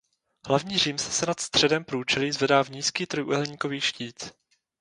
Hlavní římsa se nad středem průčelí zvedá v nízký trojúhelníkový štít.